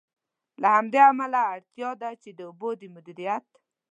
له همدې امله، اړتیا ده چې د اوبو د مدیریت.